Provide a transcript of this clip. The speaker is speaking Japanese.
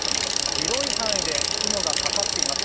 広い範囲で雲がかかっています。